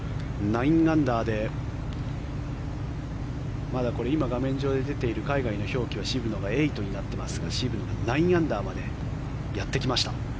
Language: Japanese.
９アンダーでまだ今、画面上で出ている海外の表記は渋野が８になっていますが渋野が９アンダーまでやってきました。